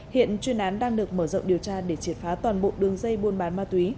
hiện chuyên án đang được mở rộng điều tra để triệt phá toàn bộ đường dây buôn bán ma túy